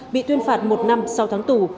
bị tuyên phạt một năm sau tháng tủ